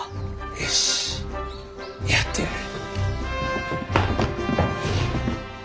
よしやってやる。